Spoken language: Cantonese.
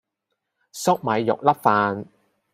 粟米肉粒飯